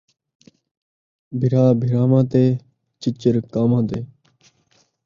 بھرا بھراواں دے تے چچڑ کان٘واں دے